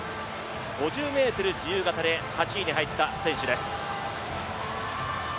５０ｍ自由形で８位に入った選手です。